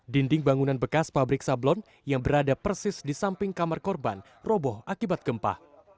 dinding bangunan bekas pabrik sablon yang berada persis di samping kamar korban roboh akibat gempa